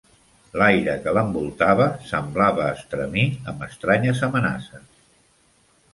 L'aire que l'envoltava semblava estremir amb estranyes amenaces.